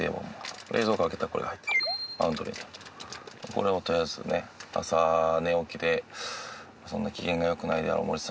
これをとりあえずね朝寝起きでそんなに機嫌が良くないであろう森田さんに飲んでもらって。